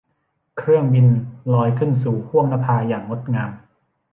เครื่องบินลอยขึ้นสู่ห้วงนภาอย่างงดงาม